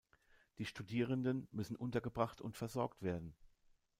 Die Studierenden müssen untergebracht und versorgt werden.